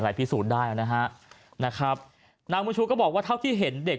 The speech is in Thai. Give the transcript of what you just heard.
อะไรพิสูจน์ได้นะครับนางมุชุก็บอกว่าเท่าที่เห็นเด็ก